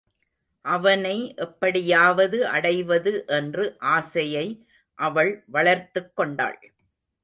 அவனை எப்படியாவது அடைவது என்று ஆசையை அவள் வளர்த்துக் கொண்டாள்.